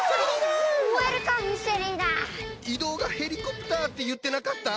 移動がヘリコプターっていってなかった？